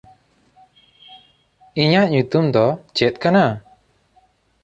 ᱤᱧᱟᱜ ᱧᱩᱛᱩᱢ ᱫᱚ ᱪᱮᱫ ᱠᱟᱱᱟ?